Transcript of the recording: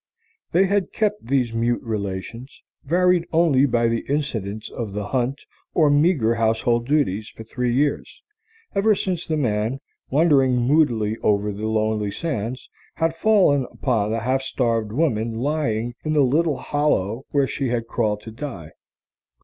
They had kept these mute relations, varied only by the incidents of the hunt or meagre household duties, for three years, ever since the man, wandering moodily over the lonely sands, had fallen upon the half starved woman lying in the little hollow where she had crawled to die.